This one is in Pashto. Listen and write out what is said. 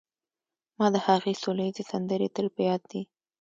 ما د هغې سوله ییزې سندرې تل په یاد دي